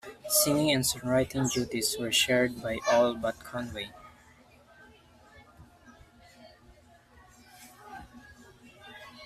Singing and songwriting duties were shared by all but Conway.